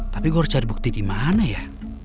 tapi gue harus cari bukti dimana ya